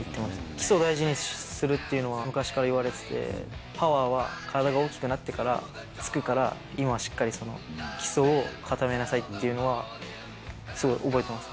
基礎を大事にするっていうのは昔から言われてて、パワーは体が大きくなってからつくから、今はしっかり基礎を固めなさいっていうのはすごい覚えてます。